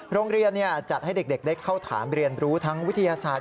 โรงเรียนจัดให้เด็กได้เข้าถามเรียนรู้ทั้งวิทยาศาสตร์